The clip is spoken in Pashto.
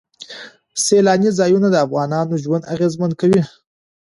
سیلانی ځایونه د افغانانو ژوند اغېزمن کوي.